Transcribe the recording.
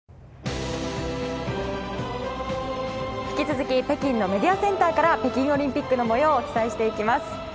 引き続き北京のメディアセンターから北京オリンピックの模様をお伝えしていきます。